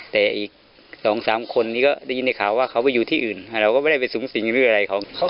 แต่อีก๒๓คนนี้ก็ได้ยินในข่าวว่าเขาไปอยู่ที่อื่นเราก็ไม่ได้ไปสูงสิงไปอะไรเขา